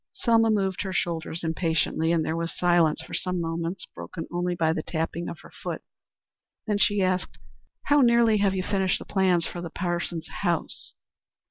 Selma moved her shoulders impatiently, and there was silence for some moments broken only by the tapping of her foot. Then she asked, "How nearly have you finished the plans for the Parsons house?"